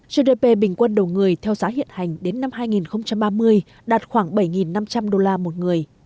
gdp bình quân đầu người theo giá hiện hành đến năm hai nghìn ba mươi đạt khoảng bảy năm trăm linh đô la một người